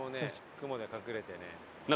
雲で隠れてね。